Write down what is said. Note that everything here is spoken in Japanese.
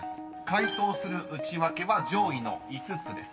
［解答するウチワケは上位の５つです］